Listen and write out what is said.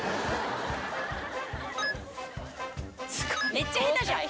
めっちゃ下手じゃん。